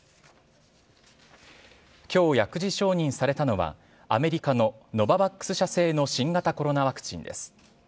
きょう薬事承認されたのは、アメリカのノババックス社製の新型コロナワクチンです。